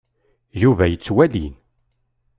Yuba yettwali.